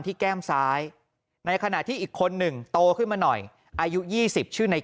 แก้มซ้ายในขณะที่อีกคนหนึ่งโตขึ้นมาหน่อยอายุ๒๐ชื่อใน